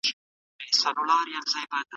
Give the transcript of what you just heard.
موږ ولي له ډاره ماڼۍ ړنګوو؟